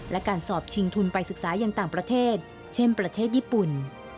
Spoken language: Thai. และการสอบชิงทุนไปศึกษาอย่างต่างประเทศเช่นประเทศญี่ปุ่น